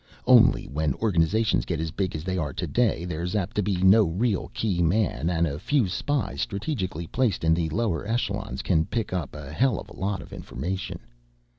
Only when organizations get as big as they are today, there's apt to be no real key man, and a few spies strategically placed in the lower echelons can pick up a hell of a lot of information.